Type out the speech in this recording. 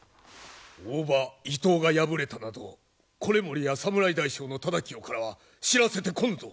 大庭伊東が敗れたなど維盛や侍大将の忠清からは知らせてこぬぞ。